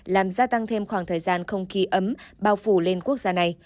làm gia tăng thêm khoảng thời gian không kỳ ấm bao phủ lên quốc gia này